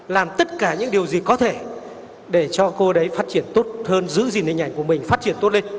làm tất cả những điều gì có thể để cho cô đấy phát triển tốt hơn giữ gìn hình ảnh của mình phát triển tốt lên